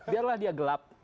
biarlah dia gelap